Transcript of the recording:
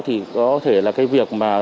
thì có thể là cái việc mà